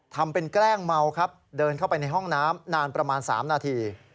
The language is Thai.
ทำเป็นแกล้งเมาครับเดินเข้าไปในห้องน้ำนานประมาณ๓นาที